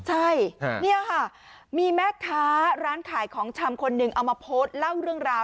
ใช่นี่ค่ะมีแม่ค้าร้านขายของชำคนหนึ่งเอามาโพสต์เล่าเรื่องราว